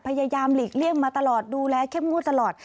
พยายามหลีกเลี่ยงมาตลอดดูแลเข้มงวดตลอด